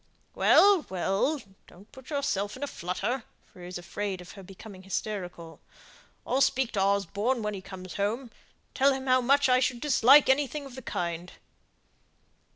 "Well, well, don't put yourself in a flutter," for he was afraid of her becoming hysterical; "I'll speak to Osborne when he comes home, and tell him how much I should dislike anything of the kind."